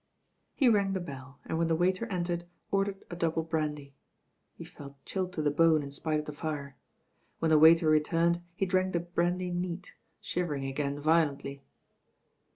He rang the bell, and when the waiter entered, ordered a double brandy. He felt chilled to the bone in spite of the fire. When the waiter returned he dtzvk the brandy neat, shivering again violently.